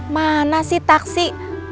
mana sih taksi